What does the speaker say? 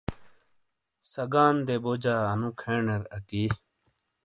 سگان دے بوجا انو کھیݨر اکی